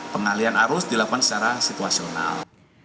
pengalian arus dilakukan secara situasional